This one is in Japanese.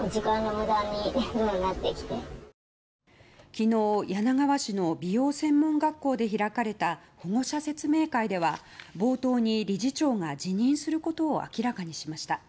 昨日、柳川市の美容専門学校で開かれた保護者説明会では冒頭に、理事長が辞任することを明らかにしました。